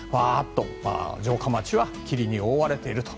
城下町は霧に覆われていると。